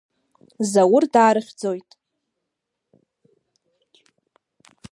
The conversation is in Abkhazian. Заур даарыхьӡоит.